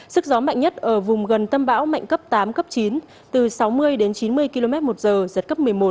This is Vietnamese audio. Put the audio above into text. sức gió mạnh nhất ở vùng gần tâm bão mạnh cấp tám cấp chín từ sáu mươi đến chín mươi km một giờ giật cấp một mươi một